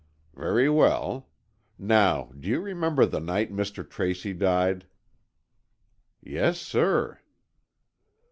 "Very well. Now, do you remember the night Mr. Tracy died?" "Yes, sir."